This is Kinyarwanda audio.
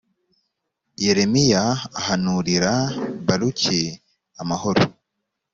yeremiya ahanurira baruki amahoro